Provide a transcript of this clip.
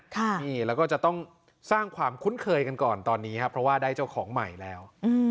นี่แล้วก็จะต้องสร้างความคุ้นเคยกันก่อนตอนนี้ครับเพราะว่าได้เจ้าของใหม่แล้ว